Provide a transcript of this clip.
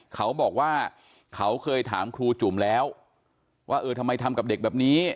เขาบอกว่าเขาเคยถามครูจุ่มแล้วว่าเออทำไมทำกับเด็กแบบนี้